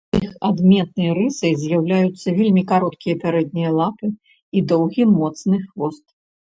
Іх адметнай рысай з'яўляюцца вельмі кароткія пярэднія лапы і доўгі моцны хвост.